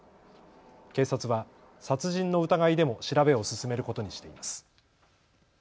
警察は殺人の疑いでも調べを進めることにしています。